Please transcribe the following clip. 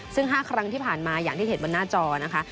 ซึ่ง๕ครั้งที่ผ่านมาอย่างที่เห็นบนหน้าจอนะคะ